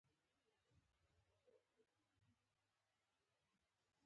آسونه او شالونه په سوغات کې ولېږلي.